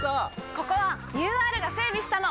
ここはＵＲが整備したの！